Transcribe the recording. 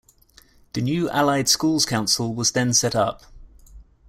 The new Allied Schools Council was then set up.